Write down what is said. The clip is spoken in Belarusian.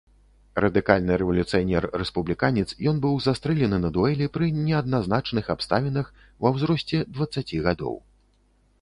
Радыкальны рэвалюцыянер-рэспубліканец, ён быў застрэлены на дуэлі пры неадназначных абставінах ва ўзросце дваццаці гадоў.